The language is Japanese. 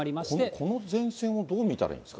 この前線はどう見たらいいんですか。